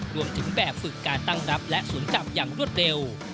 รวมถึงแบบฝึกการตั้งรับและศูนย์จับอย่างรวดเร็ว